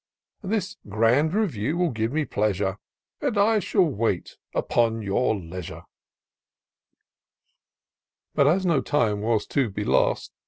This grand review will give me pleasure. And I shall wait upon your leisure, But, as no time was to be lost.